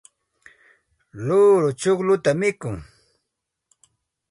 luuru chuqlluta mikun.